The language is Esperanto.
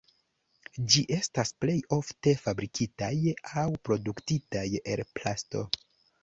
Ĝi estas plej ofte fabrikitaj aŭ produktitaj el plasto.